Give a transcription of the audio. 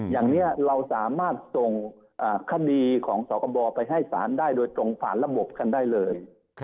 อย่างนี้เราสามารถส่งคดีของสคบไปให้สารได้โดยตรงผ่านระบบกันได้เลย